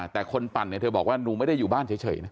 แต่คนปั่นเนี่ยเธอบอกว่าหนูไม่ได้อยู่บ้านเฉยนะ